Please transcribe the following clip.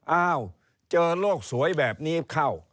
อ้าวเจอโลกสวยแบบนี้เข้า